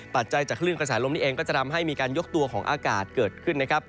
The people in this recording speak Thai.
ปัจจัยจากคลื่นกระแสลมนี้เองก็จะทำให้มีการยกตัวของอากาศเกิดขึ้นนะครับ